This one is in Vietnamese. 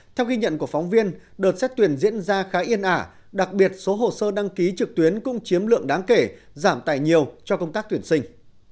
theo ghi nhận của phóng viên đợt xét tuyển diễn ra khá yên ả đặc biệt số hồ sơ đăng ký trực tuyến cũng chiếm lượng đáng kể giảm tài nhiều cho công tác tuyển sinh